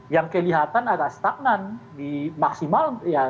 yang kelihatan ada stagnan di maksimal